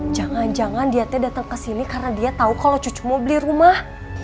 jangan jangan dia datang ke sini karena dia tahu kalau cucu mau beli rumah